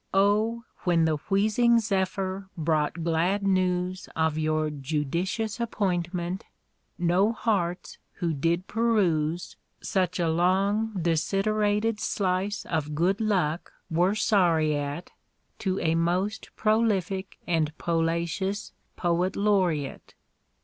Oh! when the wheezing zephyr brought glad news Of your judicious appointment, no hearts who did peruse, Such a long desiderated slice of good luck were sorry at, To a most prolific and polacious Poet Laureate!